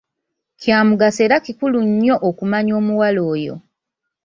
Kya mugaso era kikulu nnyo okumanya omuwala oyo.